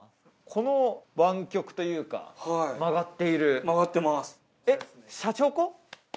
この湾曲というか曲がっている曲がってますえっＷｈａｔ！？